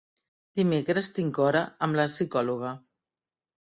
Dimecres tinc hora amb la psicòloga.